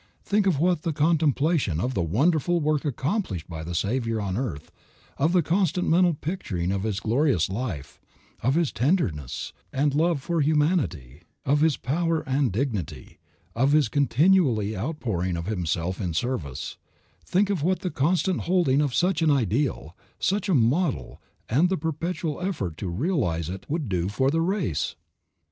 Think of what the contemplation of the wonderful work accomplished by the Savior on earth, of the constant mental picturing of His glorious life, of His tenderness, and love for humanity, of His power and dignity, of His continual outpouring of Himself in service; think of what the constant holding of such an ideal, such a model, and the perpetual effort to realize it would do for the race!